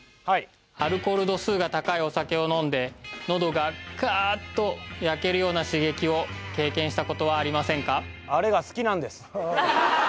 アルコール度数が高いお酒を飲んで喉がカーッと焼けるような刺激を経験したことはありませんか？